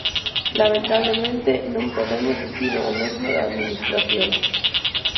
Lamentablemente, non podemos dicir o mesmo da Administración.